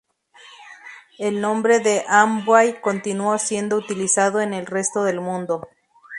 El nombre de Amway continuó siendo utilizado en el resto del mundo.